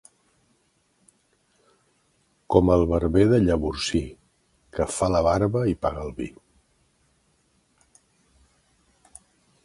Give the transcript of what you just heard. Com el barber de Llavorsí, que fa la barba i paga el vi.